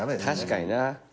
確かにな。